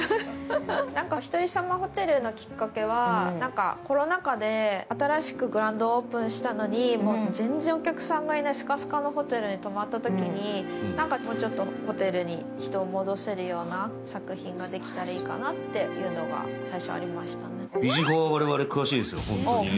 「おひとりさまホテル」のきっかけは、コロナ禍で新しくグランドオープンしたのに、全然お客さんがいない、スカスカのホテルに泊まったときにホテルに人を戻せるような作品ができたらいいかなっていうのが最初はありましたね。